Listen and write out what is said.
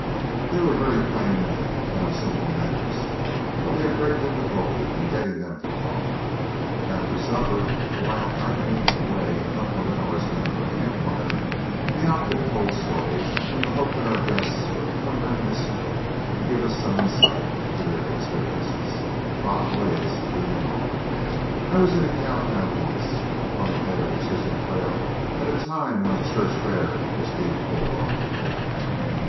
They were very plain men and of simple manners, but we had great difficulty in getting them to talk. After supper, while idling away a couple of hours around our camp fire, the outfit told stories, in the hope that our guests would become reminiscent and give us some insight into their experiences, Bob Blades leading off. "I was in a cow town once up on the head of the Chisholm trail at a time when a church fair was being pulled off.